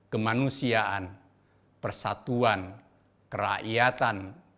kemanusiaan persatuan kerakyatan